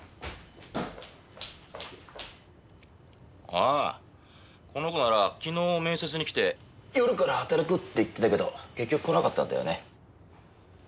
ああこの子なら昨日面接に来て夜から働くって言ってたけど結局来なかったんだよね。